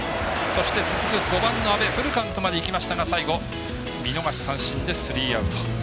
そして、続く５番の阿部フルカウントまでいきましたが最後、見逃し三振でスリーアウト。